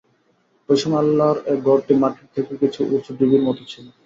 ঐ সময় আল্লাহর এ ঘরটি মাটির থেকে কিছু উঁচু ঢিবির মত ছিল।